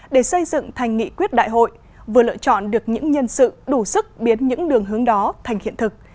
để xây dựng thành nghị quyết đại hội vừa lựa chọn được những nhân sự đủ sức biến những đường hướng đó thành hiện thực